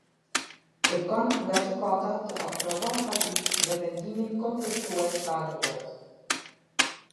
Kerkon nga gjykata te aprovon padine dhe vendimin kontestues ta anuloj.